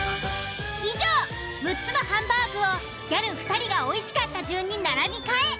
以上６つのハンバーグをギャル２人がおいしかった順に並び替え。